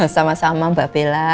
sama sama mbak bella